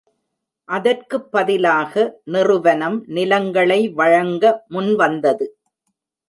அதற்குப் பதிலாக, நிறுவனம் நிலங்களை வழங்க முன் வந்தது.